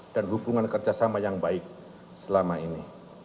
dan hubungan kerjasama yang baik selama ini